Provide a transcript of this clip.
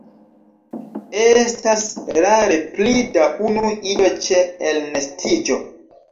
Estas rare pli da unu ido ĉe elnestiĝo.